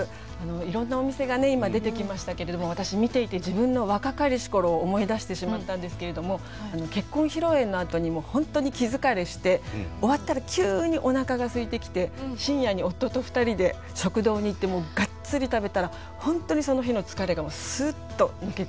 いろんなお店が今出てきましたけれども私見ていて自分の若かりし頃を思い出してしまったんですけれども結婚披露宴のあとにもう本当に気疲れして終わったら急におなかがすいてきて深夜に夫と２人で食堂に行ってがっつり食べたら本当にその日の疲れがすっと抜けていきました。